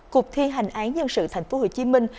cục thi hành án nhân dân thành phố hồ chí minh